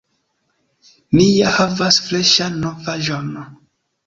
Ni ja havas freŝan novaĵon!